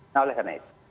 nah oleh karena itu